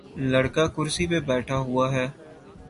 لڑکا کرسی پہ بیٹھا ہوا ہے۔